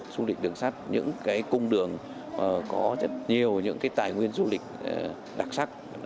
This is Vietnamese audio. du lịch đường sắt những cái cung đường có rất nhiều những cái tài nguyên du lịch đặc sắc